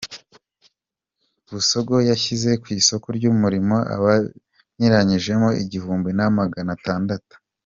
Busogo yashyize ku isoko ry’umurimo abayirangijemo igihumbi namagana tandatu